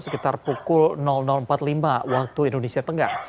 sekitar pukul empat puluh lima waktu indonesia tengah